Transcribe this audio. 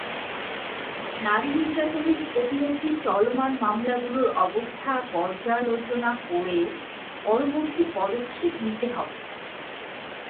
নারী নির্যাতন প্রতিরোধে চলমান মামলাগুলোর অবস্থা পর্যালোচনা করে পরবর্তী পদক্ষেপ নিতে হবে।